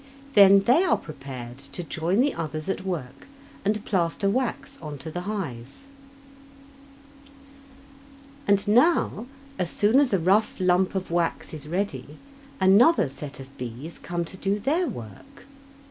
Then they are prepared to join the others at work and plaster wax on to the hive. Week 26 And now, as soon as a rough lump of wax is ready, another set of bees come to do their work.